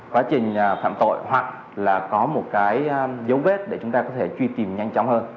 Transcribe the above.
quá trình phạm tội hoặc là có một cái dấu vết để chúng ta có thể truy tìm nhanh chóng hơn